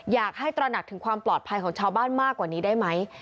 ตระหนักถึงความปลอดภัยของชาวบ้านมากกว่านี้ได้ไหม